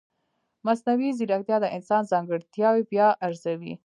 مصنوعي ځیرکتیا د انسان ځانګړتیاوې بیا ارزوي.